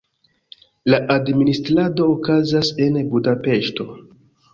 La administrado okazas en Budapeŝto.